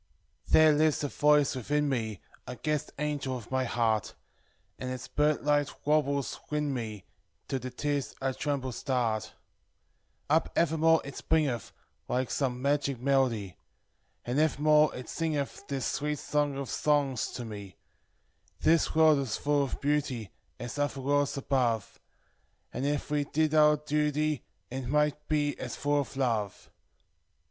Thick ;•: lives a voice within me, i gu ‚ñÝ‚Ä¢. nigel of my heart, And its bird like warbles win me, till the u irs a tremble sunt; Up evermore it springeth, like some magic melody, A id evermore it siugeth this a >ngs to m "This world is full of beauty, is other worlds above: And, if we did our duty, it might be as full of love."